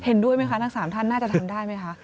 เห็นด้วยไหมคะทั้ง๓ท่านน่าจะทำได้ไหมคะ